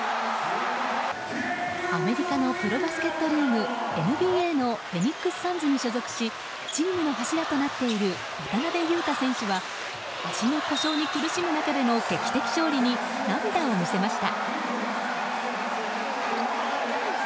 アメリカプロバスケットリーグＮＢＡのフェニックス・サンズに所属しチームの柱となっている渡邊雄太選手は足の故障に苦しむ中での劇的勝利に涙を見せました。